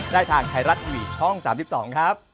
ได้ทางไทยรัฐทีวีช่อง๓๒ครับ